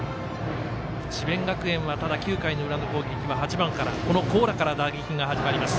智弁学園は、９回の裏の攻撃８番から、高良から打撃が始まります。